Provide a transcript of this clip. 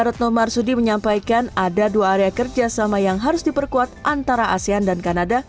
retno marsudi menyampaikan ada dua area kerjasama yang harus diperkuat antara asean dan kanada